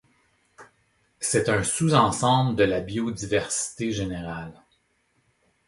C'est un sous-ensemble de la biodiversité générale.